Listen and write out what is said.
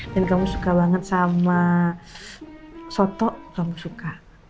dan kamu suka banget sama soto kamu suka